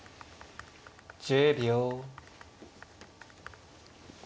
１０秒。